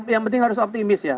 yang penting harus optimis ya